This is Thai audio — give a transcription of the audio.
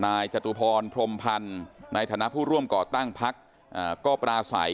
จตุพรพรมพันธ์ในฐานะผู้ร่วมก่อตั้งพักก็ปราศัย